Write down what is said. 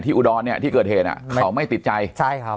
ที่อุดรเนี่ยที่เกิดเหตุเนี้ยเขาไม่ติดใจใช่ค่ะ